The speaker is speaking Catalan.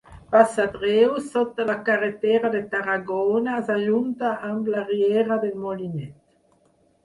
Passat Reus, sota la carretera de Tarragona, s'ajunta amb la Riera del Molinet.